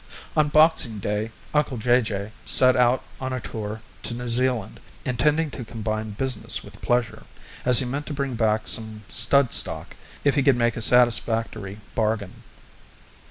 On Boxing Day uncle Jay Jay set out on a tour to New Zealand, intending to combine business with pleasure, as he meant to bring back some stud stock if he could make a satisfactory bargain.